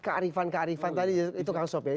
kearifan kearifan tadi itu kang sob ya